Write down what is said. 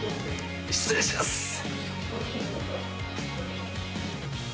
失礼します。